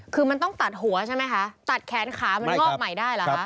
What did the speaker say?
คือมันต้องตัดหัวใช่ไหมคะตัดแขนขามันงอกใหม่ได้เหรอคะ